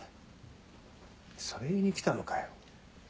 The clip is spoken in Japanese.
それ言いに来たのかよ。